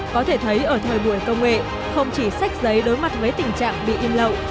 có thể thấy ở thời buổi công nghệ không chỉ sách giấy đối mặt với tình trạng bị in lậu